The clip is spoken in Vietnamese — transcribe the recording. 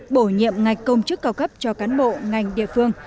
bổ nhiệm ngạch công chức cao cấp cho cán bộ ngành địa phương